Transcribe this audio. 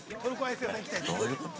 ◆どういうこと？